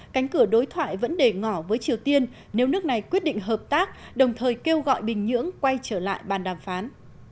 cánh cửa đối thoại vẫn để ngỏ với triều tiên nếu nước này quyết định hợp tác đồng thời kêu gọi bình nhưỡng quay trở lại bàn đàm phán